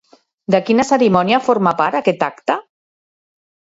De quina cerimònia forma part, aquest acte?